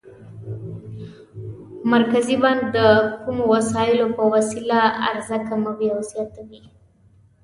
مرکزي بانک د کومو وسایلو په وسیله عرضه کموي او زیاتوي؟